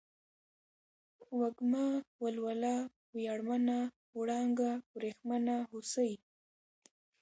وږمه ، ولوله ، وياړمنه ، وړانگه ، ورېښمينه ، هوسۍ